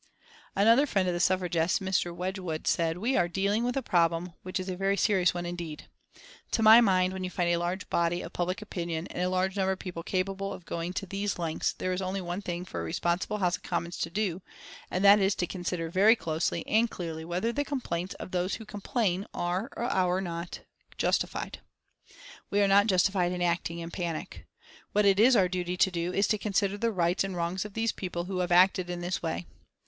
Another friend of the Suffragists, Mr. Wedgwood said: "We are dealing with a problem which is a very serious one indeed. To my mind, when you find a large body of public opinion, and a large number of people capable of going to these lengths, there is only one thing for a respectable House of Commons to do, and that is to consider very closely and clearly whether the complaints of those who complain are or are not justified. We are not justified in acting in panic. What it is our duty to do is to consider the rights and wrongs of these people who have acted in this way.